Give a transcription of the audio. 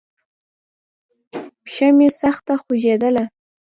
پښه مې سخته خوږېدله.